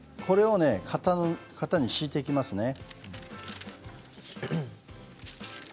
これを型に敷いていきます。